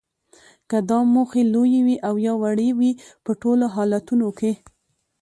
که دا موخې لویې وي او یا وړې وي په ټولو حالتونو کې